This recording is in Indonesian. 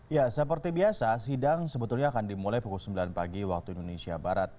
ya seperti biasa sidang sebetulnya akan dimulai pukul sembilan pagi waktu indonesia barat